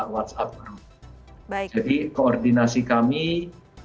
dan kemudian kami semuanya terhubung melalui hotline baik sms kemudian juga telepon dan juga melalui whatsapp